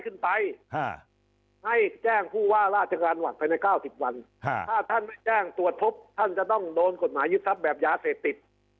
ถ้าท่านไม่แจ้งตรวจพบท่านจะต้องโดนกฎหมายยึดทรัพย์แบบยาเสติด